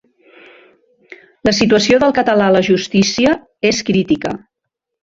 La situació del català a la justícia és crítica.